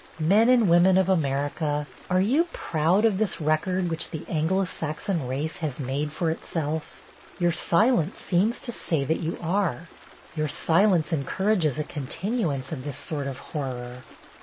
Men and women of America, are you proud of this record which the Anglo Saxon race has made for itself? Your silence seems to say that you are. Your silence encourages a continuance of this sort of horror.